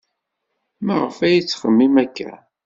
Maɣef ay yettxemmim akka?